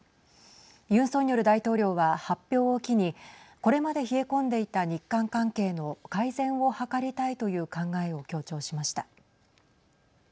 ユン・ソンニョル大統領は発表を機にこれまで冷え込んでいた日韓関係の改善を図りたいという考えを強調しました。